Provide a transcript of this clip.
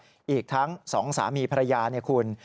อีกทั้งสองสามีภรรยาเนี่ยคุณ